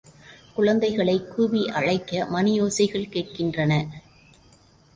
குழந்தைகளைக் கூவி அழைக்க மணியோசைகள் கேட்கின்றன.